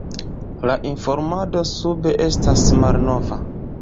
La informado sube estas malnova.